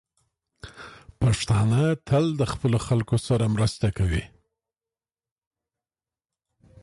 پښتانه تل د خپلو خلکو سره مرسته کوي.